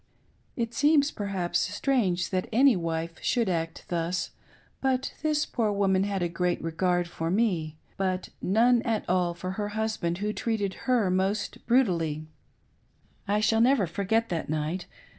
It seems S82 WHERE THE BLAME KEALhY LIES. perhaps strange that any wife should act thus/but this poor woman had a great regard tor me, but none at all for her hus band who treated her most brutally. j I shall never forget that night.